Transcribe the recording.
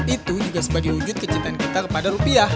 itu juga sebagai wujud kecintaan kita kepada rupiah